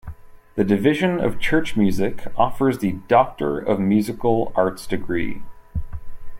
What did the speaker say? The Division of Church Music offers the Doctor of Musical Arts degree.